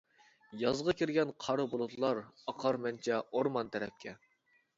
يازغا كىرگەن قارا بۇلۇتلار، ئاقار مەنچە ئورمان تەرەپكە.